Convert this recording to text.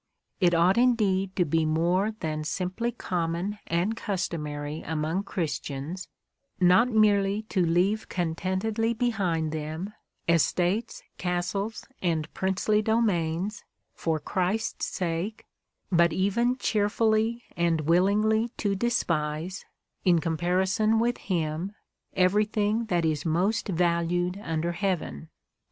It ought indeed to be more than simply common and customary among Christians, not merely to leave con tentedly behind them estates, castles, and princely domains, for Christ's sake, but even cheerfully and willingly to despise in comparison with Him every thing that is most valued under heaven.